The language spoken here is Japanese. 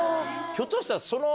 ひょっとしたらその。